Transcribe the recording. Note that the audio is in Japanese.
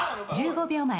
１５秒前。